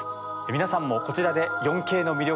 皆さんもこちらで、４Ｋの魅力